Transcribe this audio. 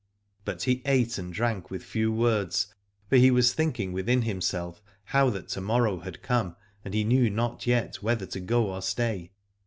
But he ate and drank with few words, for he was thinking within himself how that to morrow had come and he knew not yet whether to go or stay.